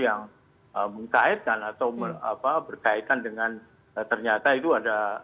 yang mengkaitkan atau berkaitan dengan ternyata itu ada